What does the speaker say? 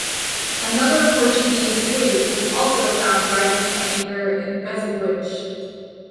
Another Portuguese fleet was also found riding at anchor in Beseguiche.